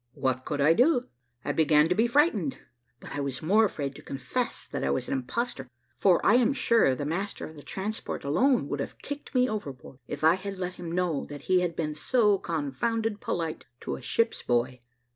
What could I do? I began to be frightened; but I was more afraid to confess that I was an impostor, for I am sure the master of the transport alone would have kicked me overboard, if I had let him know that he had been so confounded polite to a ship's boy.